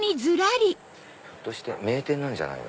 ひょっとして名店なんじゃない？